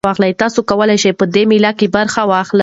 تاسي کولای شئ په دې مېله کې برخه واخلئ.